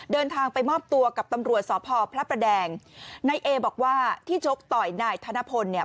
เดินทางไปมอบตัวกับตำรวจสพพระประแดงนายเอบอกว่าที่ชกต่อยนายธนพลเนี่ย